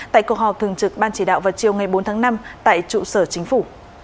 tại cuộc họp thường trực ban chỉ đạo vào chiều ngày bốn tháng năm tại trụ sở chính phủ